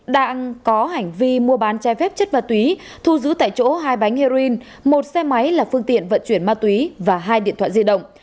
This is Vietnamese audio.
đang có hành vi mua bán trái phép chất ma túy thu giữ tại chỗ hai bánh heroin một xe máy là phương tiện vận chuyển ma túy và hai điện thoại di động